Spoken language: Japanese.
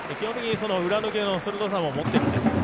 裏抜けの鋭さも持っているんです